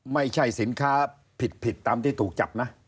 ไม่ใช่สินค้าผิดตามที่ถูกจับนะ